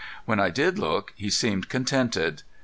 When I did look he seemed contented.